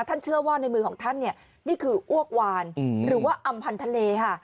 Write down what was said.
เชื่อว่าในมือของท่านเนี่ยนี่คืออ้วกวานหรือว่าอำพันธ์ทะเลค่ะ